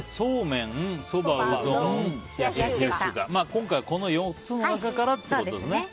今回はこの４つの中からってことですね。